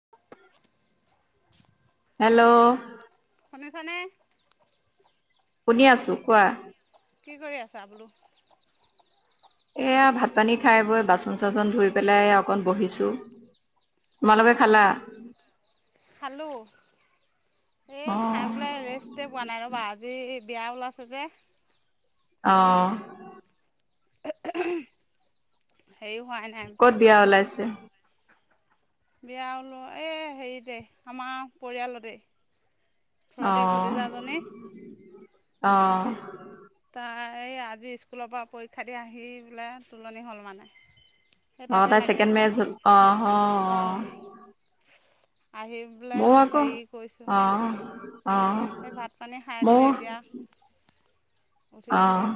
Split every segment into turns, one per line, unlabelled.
Hello
শুনিছানে
শুনি আছো কোৱা
কি কৰি আছা বোলো
এয়া ভাত পানী খাই বৈ বাচন চাচন ধুই পেলাই অকন বহিছো তোমালোক খালা
খালো এই খাই বোলে ৰেষ্টে পোৱা নাই ৰবা আজি যি বিয়া ওলাইছে যে
অ
[unintelligible] নাই
ক'ত বিয়া ওলাইছে
বিয়া ওলো এই হেৰিতে আমাৰ পৰিয়ালতে
অ
ঘৰতে ভতিজাজনি
অ
তাই আজি স্কুলৰ পৰা পৰীক্ষা দি আহি বোলে তুলনি হ'ল মানে সেই
আহ
তাতে
তাই
লাগি
ছেকেণ্ড মে
আছিলোঁ
আহ আহ অ
অঁ
[unintelligible]
আহি পেলাই
ময়ো আকৌ
হেৰি কৈছোঁ
অ
[inaudible]
অ
সেই ভাত পানী খাইকৈ
ময়ো
এতিয়া উঠিছোঁহে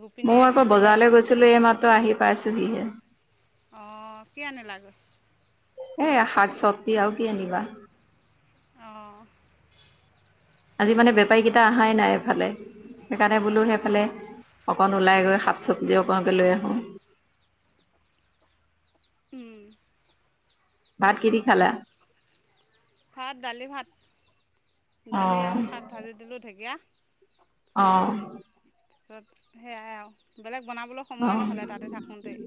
গোপিনী
মই আকৌ
আহিছিলে
বজাৰলৈ গৈছিলো এইমাত্ৰ আহি পাইছো হিয়ে
অ কিয় নিলা [inaudible]
এ শাক চব্জি আৰু কি আনিবা
অঁ
আজি মানে বেপাৰীকেইটা আহায় নাই এইফালে সেইকাৰণে বোলো সেইফালে
অঁ
অকন ওলাই গৈ শাক চব্জি অকনকে লৈ আহো
উম
ভাট কিয় দি খালা [inaudible]
ভাত দালি ভাত দালি
অ',
আৰু শাক ভাজি দিলোঁ ঢেকীয়া
অ
তাৰপিছত সেয়াই আৰু বেলেগ বনাবলৈ সময়
অ',
নহ'লে তাতে থাকোঁতেই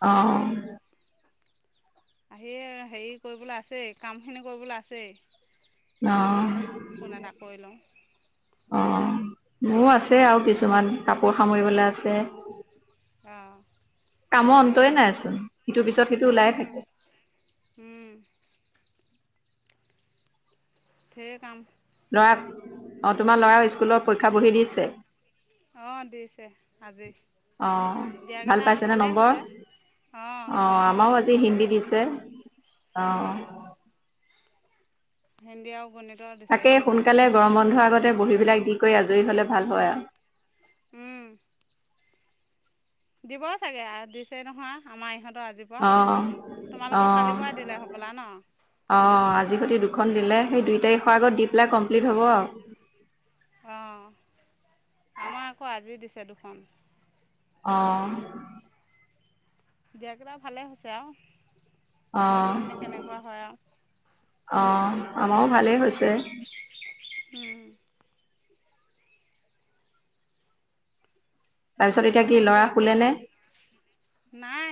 অ
আহি হেৰি কৰিবলৈ আছেই কামখিনি কৰিবলৈ আছেই [inaudible] তোমালৌ ফোন এটা কৰি লওঁ
অ মোৰ আছে আৰু কিছুমান কাপোৰ সামৰিবলৈ আছে [inaudible]
অহ
কামৰ অন্তই নাইচোন সিটোৰ পিছত সিটো ওলাইে থাকে [inaudible]
সেই কাম
লৰা অ তোমাৰ লৰা স্কুলত পৰীক্ষা বহি দিছে
অ দিছে আজি
অ',
দিয়াকেইটা ভালেই হৈছে অঁ
অহ
অঁ
আমাৰও আজি
ভালেই
হিন্দী দিছে অহ
অঁ হিন্দী আৰু গণিত
তাকেই সোনকালে গৰম বন্ধৰ আগতে বঢ়ীবিলাক দি কৰি আজৰি হলে ভাল হয় আৰু
উম দিব চাগে দিছে নহয় আমাৰ ইহঁত আজি পৰা
অ'
তোমালোকক
অ'
কালিৰ পৰাই দিলে স'বলা ন
অ আজি সৈতে দুখন দিলে সেই দুই তাৰিখৰ আগত দি পেলাই কমপ্লিট হ'ব আওঁ
অ আমাৰ আকৌ আজি দিছে দুখন
অ [inaudible]
দিয়া কেইটা ভালে হৈছে আওঁ
অহ অহ আমাৰও ভালেই হৈছে
উম
তাৰপিছত এতিয়া কি
দিনটো
লৰা
আজি
শুলেনে [inaudible]
নাই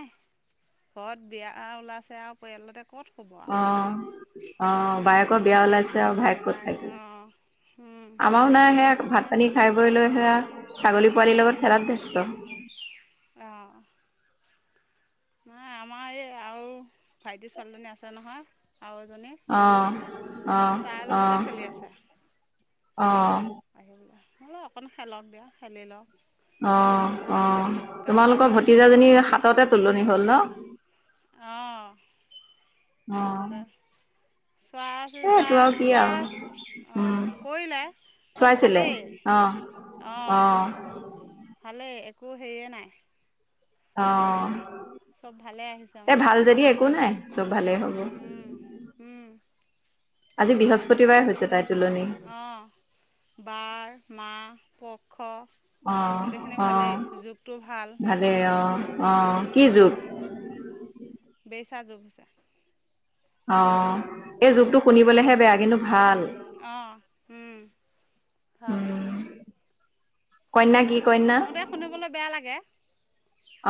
ঘৰত বিয়া ওলাইছে আৰু পৰিয়ালতে ক'ত শুব
অ
আৰু
অ বায়েকৰ বিয়া ওলাইছে আৰু ভায়েক ক'ত
বাইক
থাকিল
অঁ
আমাৰও নাই সেয়া ভাত
এই
পানী
আছে
খাই বৈ লৈ সেয়া ছাগলী পোৱালিৰ লগত খেলাত ব্যস্ত
উম নাই আমাৰ এই আৰু ভাইটি ছোৱালীজনী আছে নহয় আৰু এজনী সৰু
অ'
তাই লগতে
অ'
খেলি আছে
অ
আহি অকণ খেলক দিয়া খেলি লওঁ
অ অ
গা চা
তোমালোকৰ
ধুৱাই দিম আৰু
ভতিজাজনী হাততে তুলনি হ'ল ন
অঁ
অ
হাততে চোৱা
এ
চিতা
এইটো আৰু কি আৰু
চোৱা অ কৰিলে
চাইছিলে অ
অ ভালে একো সেয়ে নাই
অ
চব ভালে আহিছে
এ
মানে
ভাল যদি একো নাই ভালে হ'ব আজি বৃহছ
গোটেইখিনি। অ' বাৰ, মা, পক্ষ।
অ', অ',
গোটেইখিনি
অ',
ভালেই
অ'।
জোখটো ভাল
ভালেই অ- অ কি যুগ?
বেচা জ বেছা।
অ, এই যুগটো শুনিবলেহে বেয়া কিন্তু ভাল।
অ, উম, ভাল।
কন্যাকি
কওতে শুনিবলৈ বেয়া লাগে,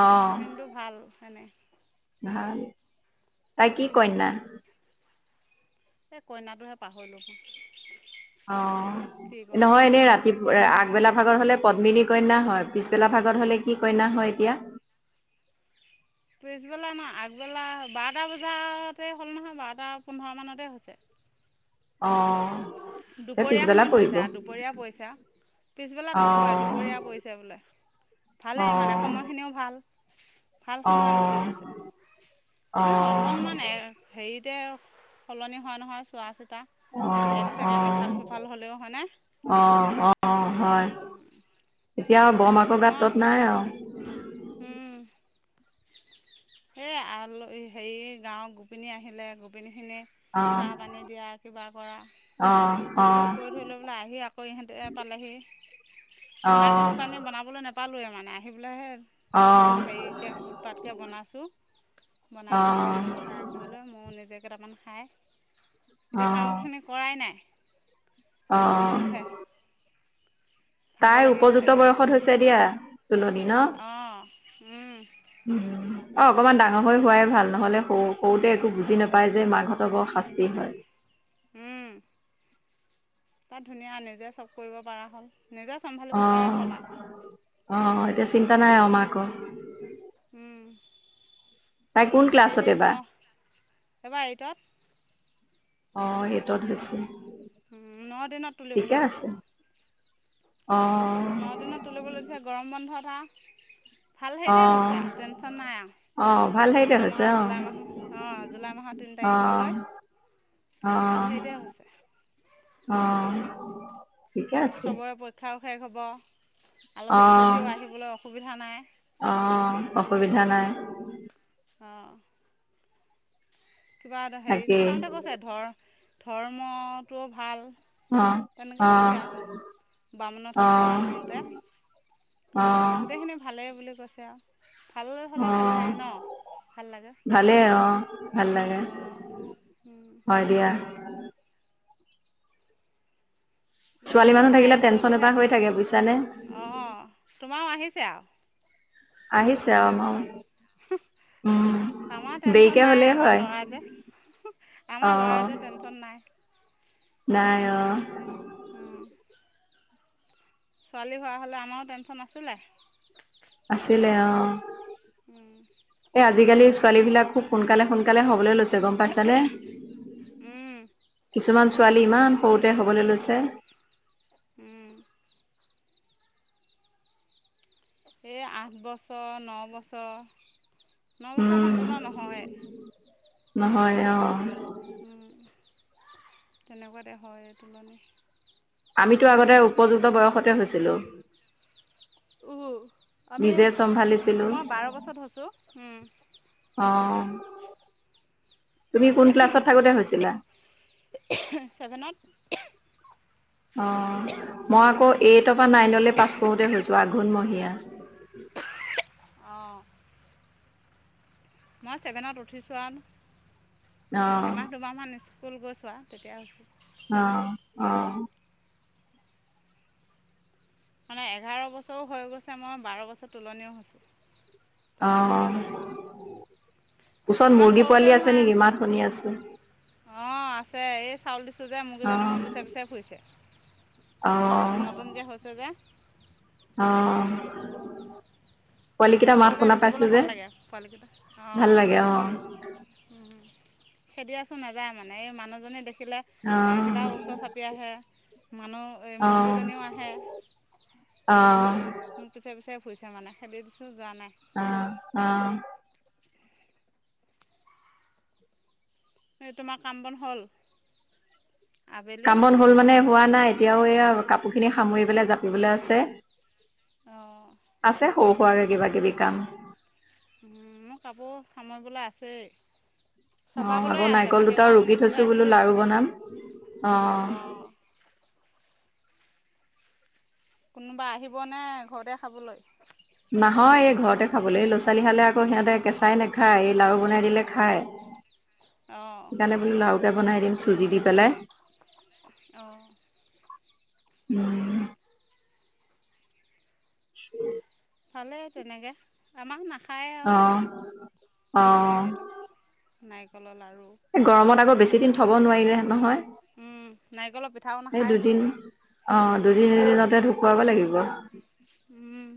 অ
কিন্তু ভাল হয়নে?
ভাল। তাই কি কন্যা?
এই কইনাটোহে পাহৰিলো।
অ' নহয় এনেই ৰাতি
পদ্মিনী
আগবেলা ভাগৰ হলে পদ্মিনী কন্যা হয় পিছবেলা ভাগত হলে কি কইনা হয় এতিয়া
পিছবেলা ন আগবেলা বাৰটা বজাতে হ'ল নহয় বাৰটা পোন্ধৰ মানতে হৈছে।
অ'। এই
দুপৰীয়া
পিছবেলা
সময়ত
পৰিব
হৈছে আৰু দুপৰীয়া পইচা। পিছবেলা
অ
নপৰে দুপৰীয়া পৰিছে বোলে।
অ
ভালেই মানে সময়খিনিও ভাল। ভাল
অ
সময়ত বুলি কৈছে
অ
মানে অকণমান হে হেৰিত তেওঁ সলনি হোৱা নহয় চোৱা চিতা। এক
অ'।
ছেকেণ্ড ইফাল
অ',
সিফাল হ'লেও হয়নে
অ', অ', হয়। এতিয়া বৰ মাকৰ গাত
মই
তত নাই আৰু।
হে আল-হেৰি গাঁৱৰ গোপিনী আহিলে গোপিনী খিনি
অ
চাহ পানী দিয়া, কিবা কৰা।
অ অ
কৈ থৈ লৈ বোলে আহি আকৌ ইহতে পালেহি, মই
অ অ
ভাত পানী বনাবলৈ নাপ নাপালোৱে মানে আহি পেলাইহে
অ
সুন-হেৰিকৈ উৎপাতকৈ বনাইছোঁ। বনাবলৈ সিহতক সহায় কৰিলৈ ময়ো নিজে কেইটামান খায়
অ
এতিয়া কামখিনি
অ
কৰাই নাই? কৰোহে।
তাৰ উপযুক্ত বয়সত হৈছে দিয়া, তুলনি ন?
উম,
উম, অ' অকমান ডাঙৰ হৈ হোৱাই ভাল নহলে সৰু-সৰুতে একো বুজি নাপায় যে মাকহঁতৰ বৰ হাস্তী হয়।
উম, তাত ধুনীয়া হলে নিজে চব কৰিব পৰা হ'ল, নিজে চম্ভালিব পৰা
অ'
হ'ল আৰু।
অ, এতিয়া চিন্তা নাই আৰু মাকৰ।
উম,
তাই কোন
হেই
ক্লাছত
তাৰিখত
এইবাৰ?
ন এবাৰ এইটত।
অ' সেইটোত হৈছে।
ন দিনত
ঠিকে
তুলিবলৈ দিছে।
আছে অ'
ন দিনত তুলিবলৈ দিছে। গৰম বন্ধতা ভাল হেৰিতে
অ'
হৈছে আৰু, টেনশ্যন নাই আৰু।
অ' ভাল হেৰিতে
অহা
হৈছে
মাহৰ
অ'
জুলাই মাহৰ, অ, জুলাই মাহৰ তিনি তাৰিখলৈ ভাল
অ-
হেৰিতে হৈছে
অ- অ- অ। ঠিকে আছে
চবৰে পৰীক্ষাও শেষ হ'ব। আলহী
অ'
তুলহিও আহিবলৈ অসুবিধা নাই।
অ, অসুবিধা নাই।
অ', কিবা এটা হেৰি
তাকেই
চাওতে কৈছে ধৰ-ধৰ্মটো ভাল।
অ'
তেনেকে কৈছে
অ'
আৰু ব্ৰামুণৰ
অ'
হাত চোৱা আহওঁতে
অ'
গোটেইখিনি ভালেই বুলি কৈছে আৰু। ভাল হ'লে
অ
ভালেই ন ভাল লাগে
ভালে অ ভাল আৰে
অঁ
হয় দিয়া ছোৱালী
কিন্তু
মানুহ থাকিলে টেনচন এটা
খাদ্যটোহে
হৈ থাকে বুজিছানে
অঁ তোমাৰো আহিছে আৰু
আহিছে আও ন
টেনশ্যন আমাৰ টেনচন নাই
হ'লেই
আমাৰ
হয়
ল'ৰা যে
অ
আমাৰ ল'ৰা যে টেনশ্যন নাই।
নাই অ
হম ছোৱালী হোৱা হ'লে আমাৰো টেনশ্যন আছিলে
এ আজিকালি ছোৱালী বিলাক খুব সোনকালে সোনকালে হবলৈ লৈছে তে গম পাইছা নে
উম,
কিছুমান ছোৱালী ইমান সৰুতে হ'বলৈ লৈছে
উম এই আঠ বছৰ ন বছৰ। ন বছৰ
উম
সম্পূৰ্ণ নহয়
নহয় অ,
তেনেকুৱাতে হয় ত মানে।
আমিতো আগতে উপযুক্ত বয়সতে হৈছিলো।
আমি
নিজে
মই
চম্ভালিছিলো
বাৰ বছৰত হৈছোঁ।
অ তুমি কোন ক্লাছত থাকোতে হৈছিলা
চেভেনত
অ, মই আকৌ এইটৰ পৰা নাইনলৈ পাছ কৰোঁতে হৈছোঁ আঘোণমীয়া।
অঁ মই ছেভেনত উঠিছোঁ আৰুন
অ',
এমাহ দুমাহমান নিছোঁ স্কুল গৈছো আও তেতিয়া হৈছোঁ
অ অ
মানে এঘাৰ বছৰো হৈ গৈছে মই বাৰ বছৰ তুলনিও হৈছোঁ।
অ
তেনেকুৱা
ওচৰত
ইমান
মুৰ্গী
সৰুতে
পোৱালি আছে
নহয়
নিকি মাত শুনি আছো
অঁ আছে এই চাউল দিছোঁ যে মুৰ্গীজনী
অ',
মোৰ পিছে পিছে ঘুইছে নতুনকে হৈছে যে
অহ,
সৰুতে দেখিবলৈ ভাল লাগে পোৱালিকেইটা
ভাল লাগে অ',
অঁ উম খেদি আছো নাযায় মানে এই মানুহজনে দেখি ৰাখিলে
অ',
হাঁহকেইটা ওচৰ চাপি আহে মানুহ এই
অ',
মুৰ্গীজনীও আহে [unintelligible]
অ
পইচা মানে খেদিচ
অ অ
এই তোমাৰ কাম বন হ'ল। আবেলি
কাম বন হল মানে হোৱা নাই এতিয়াও এইয়া কাপোৰ খিনি সামৰি পেলাই জাপিবলে আছে
অঁ
আছে সৰু সোৱাকে কিবা কিবি কাম।
মোৰ কাপোৰ সামৰিবলে আছেই
অ,
চপাবলৈ
আকৌ
আছে
নাৰিকল
বাহিৰৰ পৰা
দুটাও ৰুকি
নিবলৈ
থৈছো বোলো
আছেই
লাৰু বনাম। অ
অঁ কোনোবা আহিবনে ঘৰতে খাবলৈ।
নহয় এই ঘৰতে খাবলৈ ল'ৰা ছোৱালী হালে আকৌ সিহঁতে কেঁচাই নাখায় এই লাৰু বনাই দিলে খায়
অঁ
সেইকাৰণে বোলে লাওকে বনাই দিম চুজি দি পেলাই
অঁ
উম উম
ভালেই তেনেকে, আমাক নাখ
অহ অহ।
সেইটো নাৰিকলৰ লাড়ু।
এ গৰমত আকৌ বেছি দিন থ'ব নোৱাৰিলেহে নহয়।
উম নাৰিকলৰ পিঠাও
এই
নাখায়।
দুদিন অ', দুদি-দুদিনতে ঢুকুৱাব লাগিব।
উম,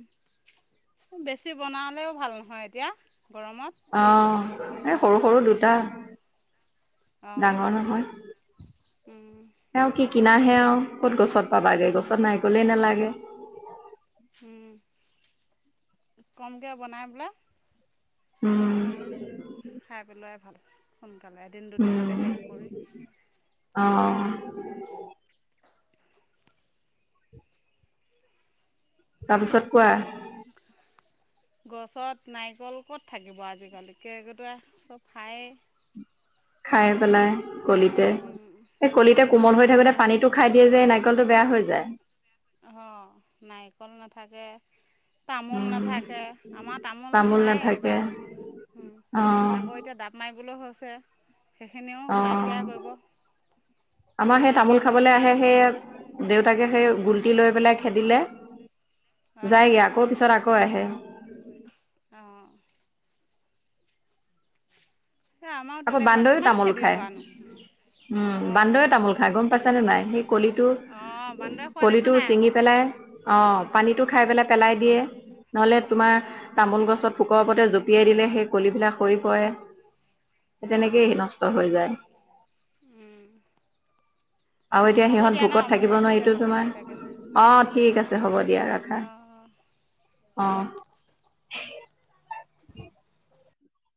বেছি বনালেও ভাল নহয় এতিয়া। গৰমত
অ', এ সৰু সৰু দুটা।
অঁ
ডাঙৰ নহয় আও কি কিনাহে আও ক'ত গছত। পাবাগে গছত নাৰিকলে নালাগে।
উম, কমকে বনাই বোলে।
উম।
খাই পেলোৱাই ভাল সোনকালে এদিন
উম
দুদিনতে শেষ কৰি।
অ'। তাৰপিছত কোৱা।
[inaudible] গছত নাৰিকল ক'ত থাকিব আজিকালি কেৰ্কেটুৱাই চব খায়েই।
খাই পেলাই, কলিতে সেই কলিতে কোমল হৈ থাকোতে
নাই
পানীতটো খাই দিয়ে যে এ নাক নাৰিকলটো বেয়া হৈ যায়।
অ', নাৰিকল নাথাকে। তামোল
উম
নাথাকে আমাৰ তামোল নাইয়ে বাৰীত। উম
অ
আকৌ এতিয়া ডাপ মাৰিবলৈ হৈছে। সেইখিনিও
অ
নাইকীয়া কৰিব।
আমাৰ সেই
নাইকিয়া
তামোল
কৰি
খাবলৈ
পেলাই
আহে সেই দেউতাকে সেই গুল্টি লৈ পেলাই খেদিলে
অঁ
যায়গৈ আকৌ পিছত আকৌ আহে।
অহ, এই আমাৰো
আকৌ
তেনেকুৱা
বান্দৰে
কিমান
তামোল খায়
খেদিবানো
উম,
অঁ
বান্দৰে তামোল খাই গম পাইছ নে নাই, সেই কলিটো
অঁ বান্দৰে খোৱা দেখা
কলিটো
নাই আকৌ
ছিঙি
মই
পেলাই। অ পানীটো খাই পেলাই পেলাই দিয়ে নহ'লে তোমাৰ
অঁ
তামোল গছত থোকত। লগতে জপিয়াই দিলে সেই কলিবিলাক সৰি পৰে সেই তেনেকেই নষ্ট হৈ যায়।
উম।
আৰু এতিয়া সিহঁত ভোকত থাকিব নোৱাৰে
মাতিছে
এইটো
মানে
তোমাৰ
দেউতাকে
অ ঠিক আছে হ'ব দে। দিয়া ৰাখা,
অঁ অঁ
অ'।